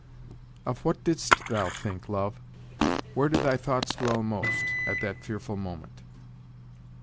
"Of what didst thou think, love? where did thy thoughts dwell most, at that fearful moment?"